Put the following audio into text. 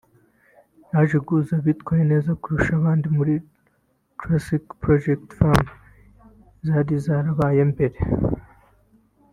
yaje guhuza abitwaye neza kurusha abandi muri Tusker Project Fame zari zarabaye mbere